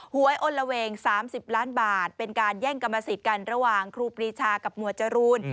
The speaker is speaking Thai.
หวยอลละเวง๓๐ล้านบาทเป็นการแย่งกรรมสิทธิ์กันระหว่างครูปรีชากับหมวดจรูน